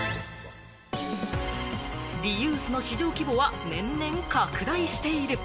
リユースの市場規模は年々、拡大している。